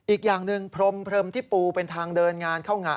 อีกอย่างหนึ่งพรมที่ปูเป็นทางเดินงานเข้างะ